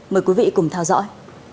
mời quý vị cùng theo dõi